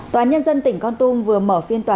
tòa nhân dân tỉnh con tung vừa mở phiên tòa